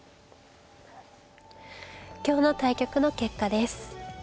今日の対局の結果です。